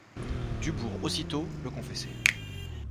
Dubourg, aussitôt, le confessait.